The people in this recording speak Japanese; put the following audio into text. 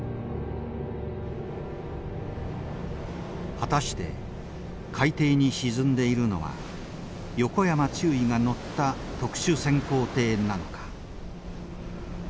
果たして海底に沈んでいるのは横山中尉が乗った特殊潜航艇なのか。